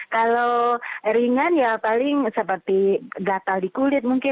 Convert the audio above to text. kalau ringan ya paling seperti gatal di kulit mungkin